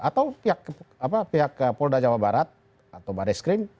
atau pihak polda jawa barat atau baris krim